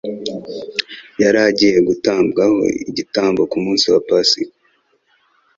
yari agiye gutambwaho igitambo ku munsi wa Pasika.